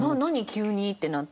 急に」ってなって。